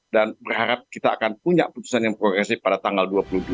berharap kita akan punya putusan yang progresif pada tanggal dua puluh dua